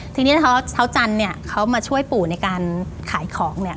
ทีนี้เช้าจันทร์เนี่ยเขามาช่วยปู่ในการขายของเนี่ย